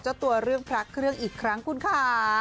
เจ้าตัวเรื่องพระเครื่องอีกครั้งคุณค่ะ